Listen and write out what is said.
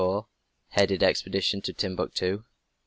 Headed expedition to Timbuctoo.